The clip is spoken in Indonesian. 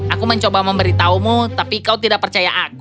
aku mencoba memberitahumu tapi kau tidak percaya aku